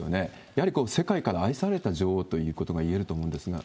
やはり世界から愛された女王ということがいえると思うんですが。